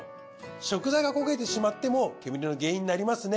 食材が焦げてしまっても煙の原因になりますね。